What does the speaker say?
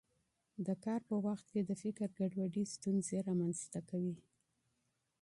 د کار په وخت کې د فکر ګډوډي ستونزې رامنځته کوي.